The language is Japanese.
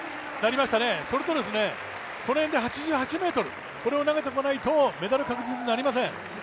それと、この辺で８８ｍを投げておかないとメダル確実になりません。